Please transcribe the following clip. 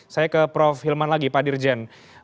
saya ke prof hilman lagi pak dirjen